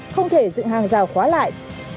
không thể dựng hàng rào khóa lại